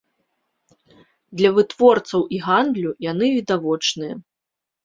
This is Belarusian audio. Для вытворцаў і гандлю яны відавочныя.